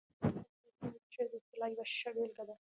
د حمزه شینواري شعر د اصطلاح یوه ښه بېلګه ده